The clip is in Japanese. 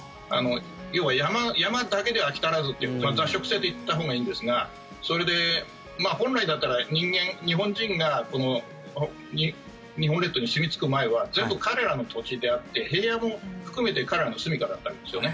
要は山だけでは飽き足らず雑食性といったほうがいいですがそれで、本来だったら日本人が日本列島にすみ着く前は全部、彼らの土地であって平野も含めて彼らのすみかだったわけですよね。